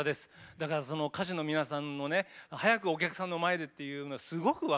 だから歌手の皆さんのね早くお客さんの前でっていうのすごく分かります。